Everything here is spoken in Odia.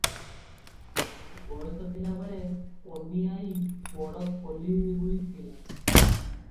ବୟସ ଥିବାବେଳେ ଅନୀ ଆଈ ବଡ କଳିହୁଡ଼ି ଥିଲା ।